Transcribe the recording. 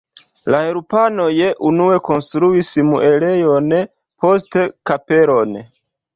La eŭropanoj unue konstruis muelejon, poste kapelon.